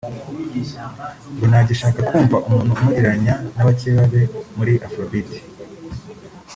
ngo ntagishaka kumva umuntu umugereranya n’abakeba be muri Afrobeat